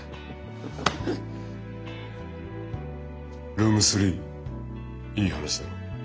ルーム３いい話だろ？